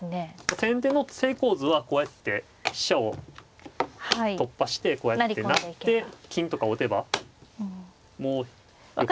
先手の成功図はこうやって飛車を突破してこうやって成って金とかを打てばもう横から。